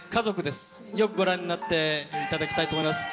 よくご覧になっていただきたいと思います。